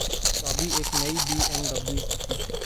چابی ایک نئی بی ایم ڈبلیو کی تھی۔